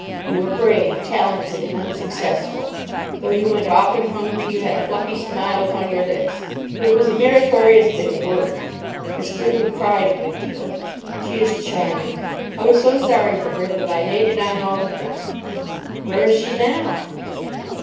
You were brave, talented, and unsuccessful. Though you went often hungry, you had a plucky smile upon your lips. It was a meritorious bit of work. Miss Goodwin cried a good deal. She is charming. I was so sorry for her that I laid it on all the thicker." "Where is she now?"